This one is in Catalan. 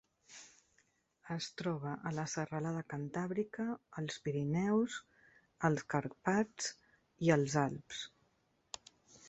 Es troba a la Serralada cantàbrica, els Pirineus, els Carpats i els Alps.